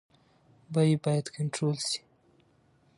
بیې باید کنټرول شي.